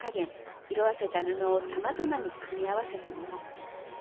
色あせた布をさまざまに組み合わせたもの。